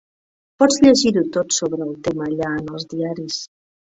Pots llegir-ho tot sobre el tema allà en els diaris.